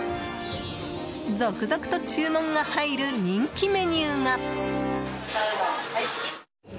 続々と注文が入る人気メニューが。